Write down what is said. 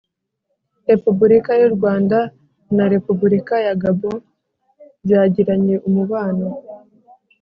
Repubulika y u Rwanda na Repubulika ya Gabon byagiranye umubano